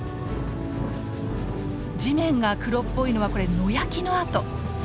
地面が黒っぽいのはこれ野焼きの跡。